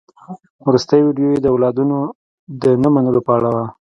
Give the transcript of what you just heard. وروستۍ ويډيو يې د اولادونو د نه منلو په اړه ده.